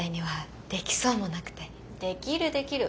できるできる。